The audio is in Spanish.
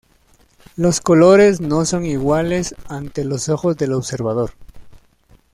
Los colores no son iguales ante los ojos del observador.